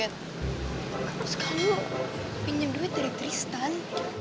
terus kamu pinjam duit dari tristan